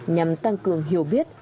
nhằm tăng cường hiểu biết